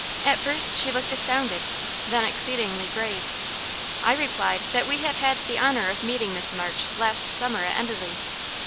At first she looked astounded, then exceedingly grave. I replied, "that we had had the honour of meeting Miss March last summer at Enderley."